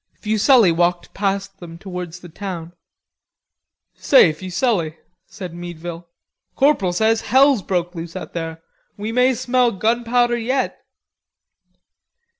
Fuselli walked past them towards the town. "Say, Fuselli," shouted Meadville. "Corporal says hell's broke loose out there. We may smell gunpowder yet."